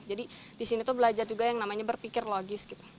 jadi di sini itu belajar juga yang namanya berpikir logis gitu